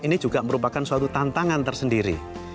ini juga merupakan suatu tantangan tersendiri